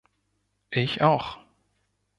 Ich auch.